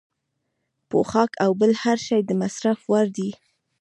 پوښاک او بل هر شی د مصرف وړ دی.